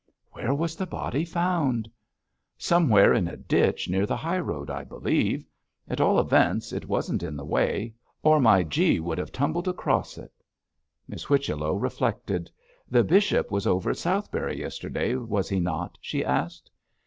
'Where was the body found?' 'Somewhere in a ditch near the high road, I believe. At all events, it wasn't in the way, or my gee would have tumbled across it.' Miss Whichello reflected. 'The bishop was over at Southberry yesterday, was he not?' she asked.